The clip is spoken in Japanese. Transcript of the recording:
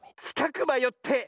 「ちかくばよって」。